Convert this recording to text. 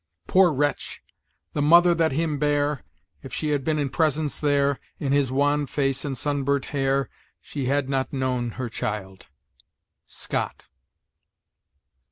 "Poor wretch! the mother that him bare, If she had been in presence there, In his wan face, and sunburnt hair, She had not known her child." Scott.